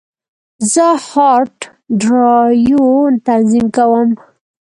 زه هارد ډرایو تنظیم کوم.